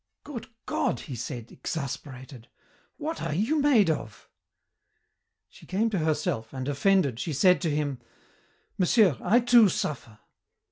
"Good God!" he said, exasperated, "what are you made of?" She came to herself, and, offended, she said to him, "Monsieur, I too suffer.